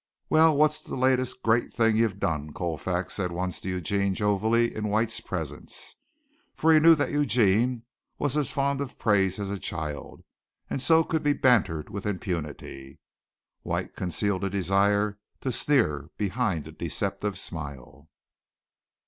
"Well, what's the latest great thing you've done?" Colfax said once to Eugene jovially in White's presence, for he knew that Eugene was as fond of praise as a child and so could be bantered with impunity. White concealed a desire to sneer behind a deceptive smile.